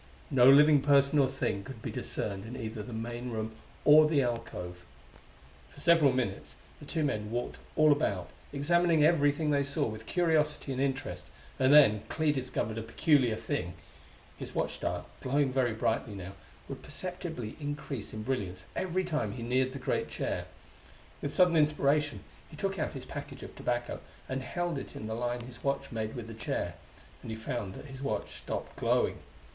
No living person or thing could be discerned in either the main room or the alcove. For several minutes the two men walked all about, examining everything they saw with curiosity and interest; and then Clee discovered a peculiar thing. His watch dial, glowing very brightly now, would perceptibly increase in brilliance every time he neared the great chair. With sudden inspiration he took out his package of tobacco and held it in the line his watch made with the chair and he found that his watch stopped glowing.